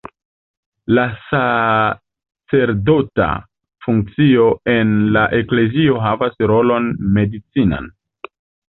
La sacerdota funkcio en la Eklezio havas rolon medicinan.